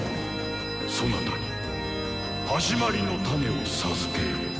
そなたに「始まりのタネ」を授けよう。